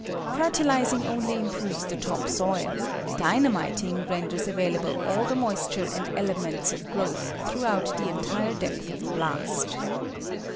Fertilizing only improves the top soil. Dynamiting renders available all the moisture and elements of growth throughout the entire depth of the blast.